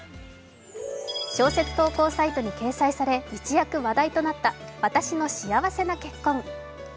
小説投稿サイトに掲載され、一躍話題となった「わたしの幸せな結婚」。